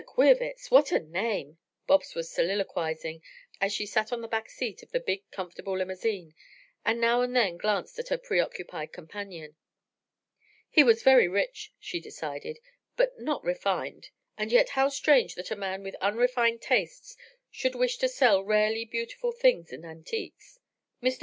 Queerwitz! What a name!" Bobs was soliloquizing as she sat on the back seat of the big, comfortable limousine, and now and then glanced at her preoccupied companion. He was very rich, she decided, but not refined, and yet how strange that a man with unrefined tastes should wish to sell rarely beautiful things and antiques. Mr.